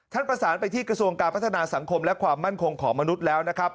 ประสานไปที่กระทรวงการพัฒนาสังคมและความมั่นคงของมนุษย์แล้วนะครับ